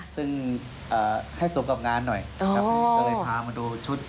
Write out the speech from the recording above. ซึ่งให้สูบกับงานหน่อยเลยพามาดูชุด